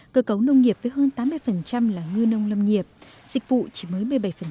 cơ cấu nông nghiệp với hơn tám mươi là ngư nông lâm nghiệp dịch vụ chỉ mới một mươi bảy